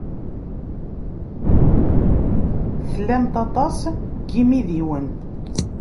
Tlamt aṭas n yimidiwen.